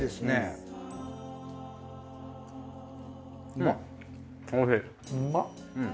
うまっ。